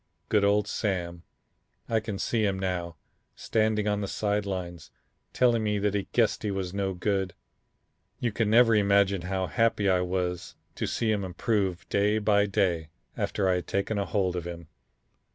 Good old Sam, I can see him now, standing on the side lines telling me that he guessed he was no good. You can never imagine how happy I was to see him improve day by day after I had taken a hold of him.